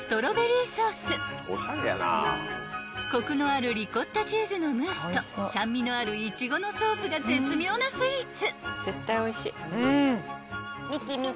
［コクのあるリコッタチーズのムースと酸味のあるイチゴのソースが絶妙なスイーツ］